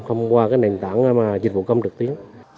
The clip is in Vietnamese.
thông qua cái nền tảng dịch vụ công trực tiếp